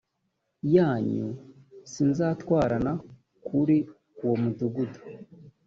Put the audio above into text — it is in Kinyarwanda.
yanyu sinzatwarana kuri uwo mudugudu